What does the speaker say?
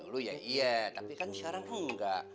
lu ya iya tapi kan sekarang enggak